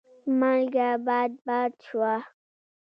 مالګه باد باد شوه.